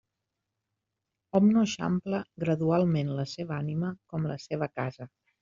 Hom no eixampla gradualment la seva ànima com la seva casa.